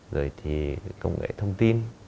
rồi thì công nghệ thông tin